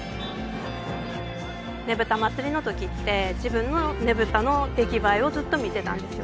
ねぶた祭の時って自分のねぶたの出来栄えをずっと見てたんですよ